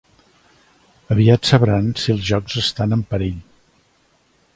Aviat sabran si els jocs estan en perill.